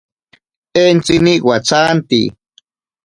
Entsini watsanti.